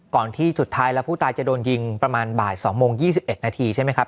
ก่อนที่สุดท้ายแล้วผู้ตายจะโดนยิงประมาณบ่าย๒โมง๒๑นาทีใช่ไหมครับ